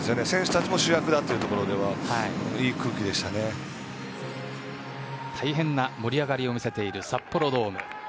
選手たちも主役だというところでは大変な盛り上がりを見せている札幌ドーム。